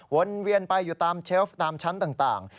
เวียนไปอยู่ตามเชฟตามชั้นต่าง